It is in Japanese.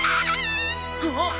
あっ！